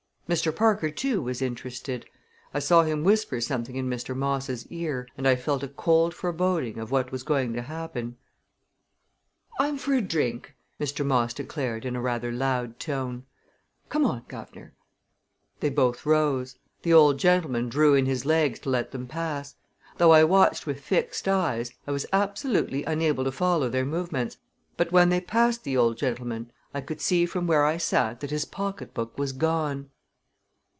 Mr. Parker, too, was interested. I saw him whisper something in Mr. Moss' ear and I felt a cold foreboding of what was going to happen. "I'm for a drink !" Mr. Moss declared in a rather loud tone. "Come on, guv'nor!" They both rose. The old gentleman drew in his legs to let them pass. Though I watched with fixed eyes I was absolutely unable to follow their movements, but when they had passed the old gentleman I could see from where I sat that his pocketbook was gone.